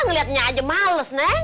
ngeliatnya aja males neng